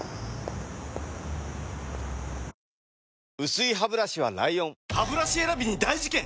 薄いハブラシは ＬＩＯＮハブラシ選びに大事件！